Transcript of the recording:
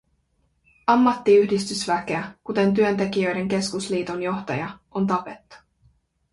Ammattiyhdistysväkeä, kuten työntekijöiden keskusliiton johtaja, on tapettu.